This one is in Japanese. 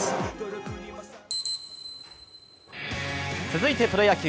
続いてプロ野球。